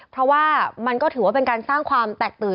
เพราะว่ามันก็ถือว่าเป็นการสร้างความแตกตื่น